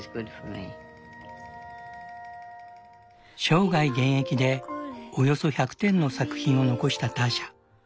生涯現役でおよそ１００点の作品を残したターシャ。